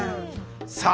さあ